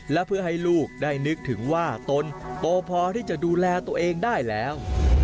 และเพื่อให้ลูกได้นึกถึงว่าตนโตพอที่จะดูแลตัวเองได้แล้ว